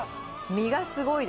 身がすごいです。